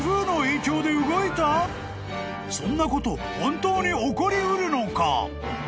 ［そんなこと本当に起こり得るのか？］